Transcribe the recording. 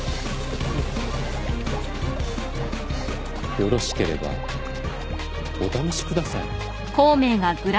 よろしければお試しください。